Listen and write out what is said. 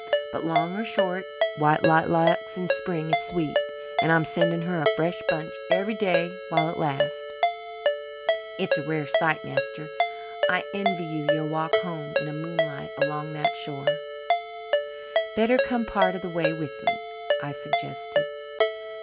But long or short, white lilac in spring is sweet, and I'm sending her a fresh bunch every day while it lasts. It's a rare night, master. I envy you your walk home in the moonlight along that shore." "Better come part of the way with me," I suggested.